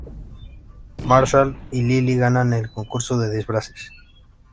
Marshall y Lily ganan el concurso de disfraces.